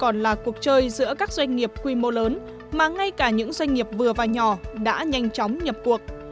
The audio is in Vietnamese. còn là cuộc chơi giữa các doanh nghiệp quy mô lớn mà ngay cả những doanh nghiệp vừa và nhỏ đã nhanh chóng nhập cuộc